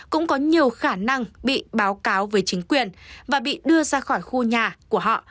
cũng có nhiều khả năng bị báo cáo với chính quyền và bị đưa ra khỏi khu nhà của họ